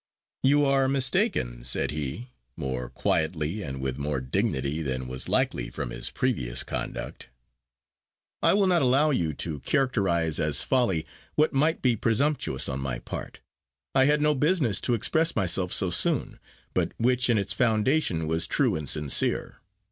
"You are mistaken," said he, more quietly and with more dignity than was likely from his previous conduct. "I will not allow you to characterise as folly what might be presumptuous on my part I had no business to express myself so soon but which in its foundation was true and sincere.